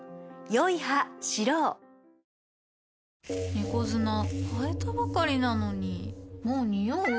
猫砂替えたばかりなのにもうニオう？